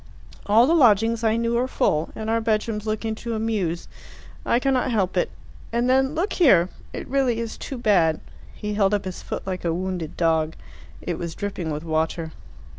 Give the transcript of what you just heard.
All the lodgings I knew are full, and our bedrooms look into a mews. I cannot help it. And then look here! It really is too bad." He held up his foot like a wounded dog. It was dripping with water.